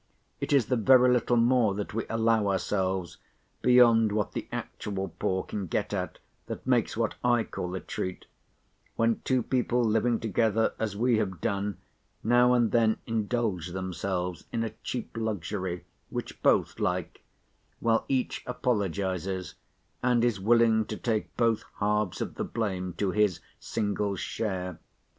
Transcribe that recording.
It is the very little more that we allow ourselves beyond what the actual poor can get at, that makes what I call a treat—when two people living together, as we have done, now and then indulge themselves in a cheap luxury, which both like; while each apologises, and is willing to take both halves of the blame to his single share.